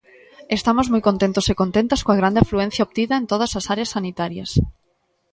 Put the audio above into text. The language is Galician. Estamos moi contentos e contentas coa grande afluencia obtida en todas as áreas sanitarias.